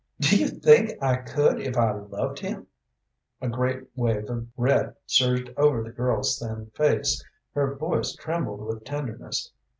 Do you think I could if I loved him?" A great wave of red surged over the girl's thin face, her voice trembled with tenderness.